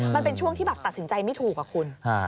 มันเป็นช่วงที่แบบตัดสินใจไม่ถูกอะคุณ